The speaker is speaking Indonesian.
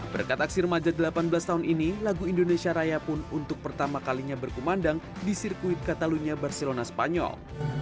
berkat aksi remaja delapan belas tahun ini lagu indonesia raya pun untuk pertama kalinya berkumandang di sirkuit catalunya barcelona spanyol